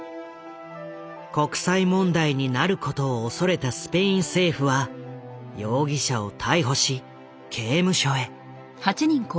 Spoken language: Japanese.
国際問題になることを恐れたスペイン政府は容疑者を逮捕し刑務所へ。